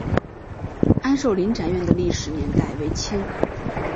安寿林宅院的历史年代为清。